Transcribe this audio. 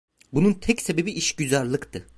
Bunun tek sebebi işgüzarlıktı.